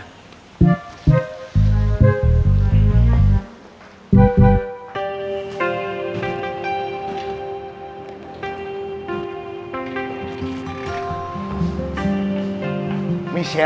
sampai jumpa di video selanjutnya